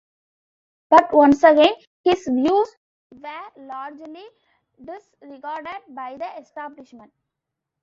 But once again, his views were largely disregarded by the establishment.